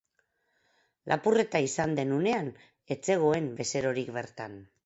Lapurreta izan den unean ez zegoen bezerorik bertan.